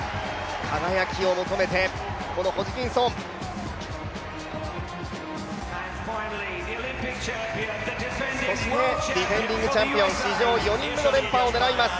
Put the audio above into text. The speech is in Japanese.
輝きを求めて、ホジキンソンそしてディフェンディングチャンピオン史上４人目の連覇を狙います